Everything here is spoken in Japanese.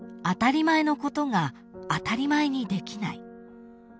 ［当たり前のことが当たり前にできない］